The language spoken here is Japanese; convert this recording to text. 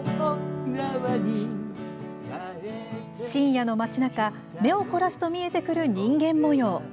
深夜の街なか目を凝らすと見えてくる人間もよう。